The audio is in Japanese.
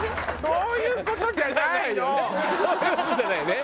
そういう事じゃないね。